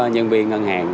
nhân viên ngân hàng